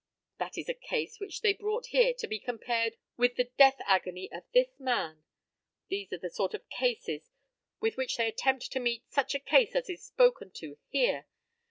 That is a case which they brought here to be compared with the death agony of this man. These are the sort of cases with which they attempt to meet such a case as is spoken to here.